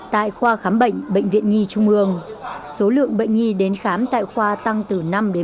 tại khoa khám bệnh bệnh viện nhi trung ương số lượng bệnh nhi đến khám tại khoa tăng từ năm mươi